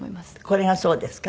これがそうですか？